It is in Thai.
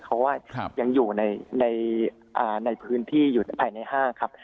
เพราะว่ายังอยู่ในพื้นที่อยู่ภายในห้างครับ